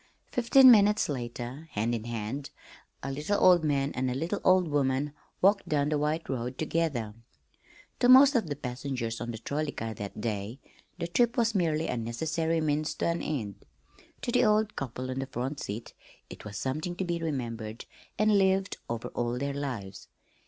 Fifteen minutes later, hand in hand, a little old man and a little old woman walked down the white road together. To most of the passengers on the trolley car that day the trip was merely a necessary means to an end; to the old couple on the front seat it was something to be remembered and lived over all their lives.